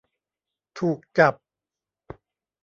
ถูกจับ